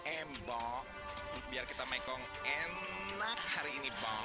eh bo biar kita maekong enak hari ini bo